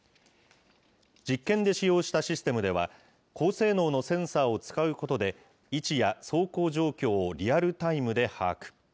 実験で使用したシステムでは、高性能のセンサーを使うことで、位置や走行状況をリアルタイムで把握。